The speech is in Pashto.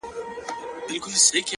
• ستادی ـستادی ـستادی فريادي گلي ـ